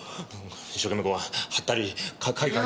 一生懸命こう貼ったり書いたり。